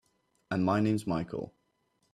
And my name's Michael.